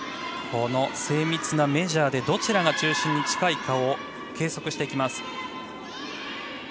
この精密なメジャーでどちらが中心に近いか計測します。